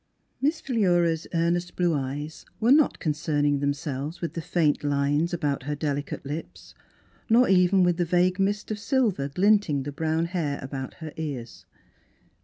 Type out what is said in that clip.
Miss Philura's earnest blue eyes were not concerning themselves with the faint lines about her delicate lips, nor even with the vague mist of silver glinting the brown hair about her ears.